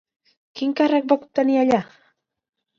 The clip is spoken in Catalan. Quin càrrec va obtenir allà?